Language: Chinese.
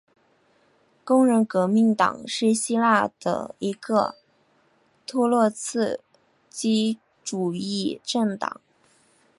工人革命党是希腊的一个托洛茨基主义政党。